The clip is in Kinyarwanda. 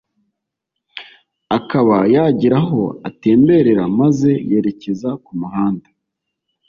akaba yagira aho atemberera maze yerekeza ku muhanda